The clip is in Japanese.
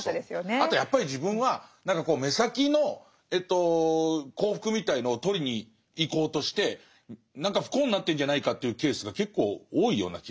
あとやっぱり自分は何か目先の幸福みたいのを取りに行こうとして何か不幸になってんじゃないかというケースが結構多いような気がして。